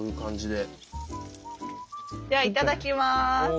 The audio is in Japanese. ではいただきます。